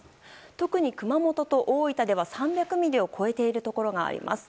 特に熊本と大分では３００ミリを超えているところがあります。